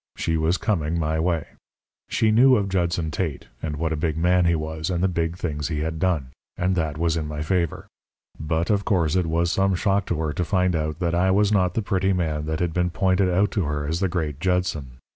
She was coming my way. She knew of Judson Tate, and what a big man he was, and the big things he had done; and that was in my favour. But, of course, it was some shock to her to find out that I was not the pretty man that had been pointed out to her as the great Judson.